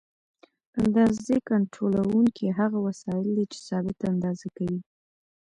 د اندازې کنټرولونکي هغه وسایل دي چې ثابته اندازه کوي.